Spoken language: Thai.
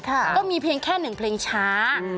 ก็มีเพียงแค่หนึ่งเพลงช้า